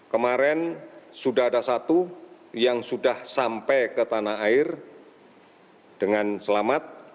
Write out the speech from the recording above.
kemarin sudah ada satu yang sudah sampai ke tanah air dengan selamat